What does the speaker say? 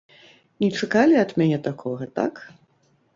Не чакалі ад мяне такога, так?